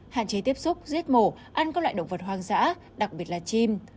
hạn chế tiếp xúc giết mổ ăn các loại động vật hoang dã đặc biệt là chim